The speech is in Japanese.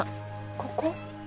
ここ？